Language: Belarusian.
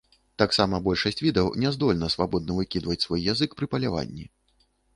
Таксама большасць відаў не здольна свабодна выкідваць свой язык пры паляванні.